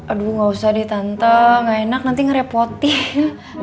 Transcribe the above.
aduh gak usah nih tante nggak enak nanti ngerepotin